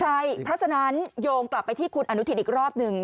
ใช่เพราะฉะนั้นโยงกลับไปที่คุณอนุทินอีกรอบหนึ่ง